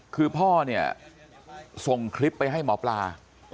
คือพ่อเนี่ยส่งคลิปไปให้หมอปลา